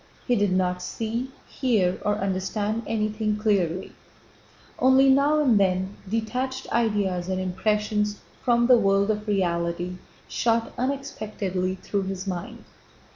He did not see, hear, or understand anything clearly. Only now and then detached ideas and impressions from the world of reality shot unexpectedly through his mind.